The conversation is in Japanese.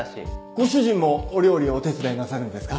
ご主人もお料理をお手伝いなさるんですか？